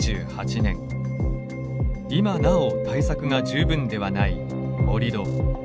今なお対策が十分ではない盛土。